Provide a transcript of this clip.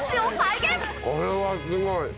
これはすごい！